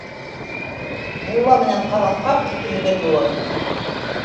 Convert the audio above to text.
Мулла менән Ҡаҙанҡап икеһе бер юлы: